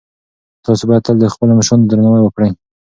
تاسو باید تل د خپلو مشرانو درناوی وکړئ.